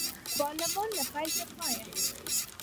پارلمان له پیل تر پایه